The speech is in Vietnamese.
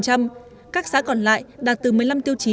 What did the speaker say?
các xã còn lại đạt từ một mươi năm tiêu chí